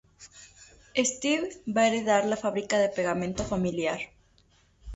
Steve va a heredar la fábrica de pegamento familiar.